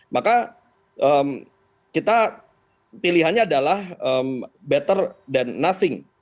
maka kita pilihannya adalah better dan nothing